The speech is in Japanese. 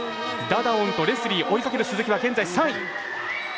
ダダオンとレスリーを追いかける鈴木は現在３位。